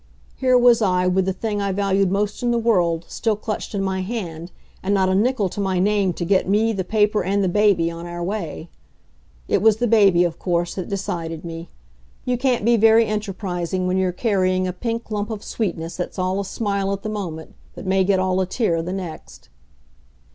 Here was I with the thing I valued most in the world still clutched in my hand, and not a nickel to my name to get me, the paper, and the baby on our way. It was the baby, of course, that decided me. You can't be very enterprising when you're carrying a pink lump of sweetness that's all a smile at the moment, but may get all a tear the next.